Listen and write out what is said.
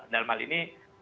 dalam hal ini